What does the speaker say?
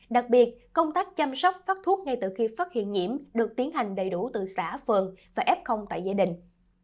đặc biệt công tác chăm sóc phát thuốc ngay từ khi phát hiện nhiễm được tiến hành đầy đủ từ xã phường và f tại gia đình